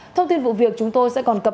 thông tin vụ việc chúng tôi sẽ còn cập